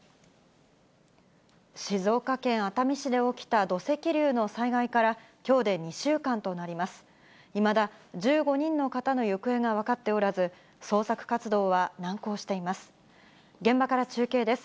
静岡県熱海市で起きた土石流の災害からきょうで２週間となります。